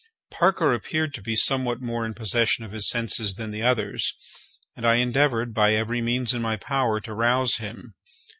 Parker appeared to be somewhat more in possession of his senses than the others, and I endeavoured, by every means in my power, to rouse him.